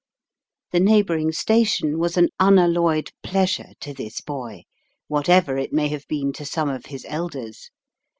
The neigh bouring station was an unalloyed pleasure to this boy, whatever it may have been to some of his elders.